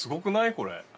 これ。